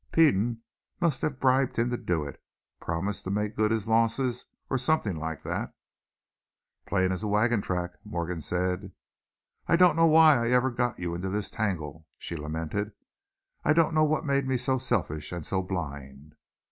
Peden must have bribed him to do it, promised to make good his losses, or something like that." "Plain as a wagon track," Morgan said. "I don't know why I ever got you into this tangle," she lamented, "I don't know what made me so selfish and so blind."